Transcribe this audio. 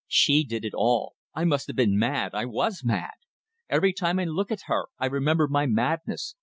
She did it all. I must have been mad. I was mad. Every time I look at her I remember my madness.